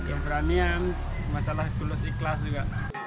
keberanian masalah tulus ikhlas juga